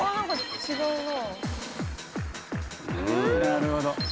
なるほど。